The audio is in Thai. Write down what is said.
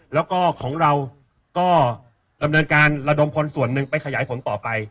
แล้วก็ของเราก็ดำเนินการระดมพลส่วนหนึ่งไปขยายผลต่อไป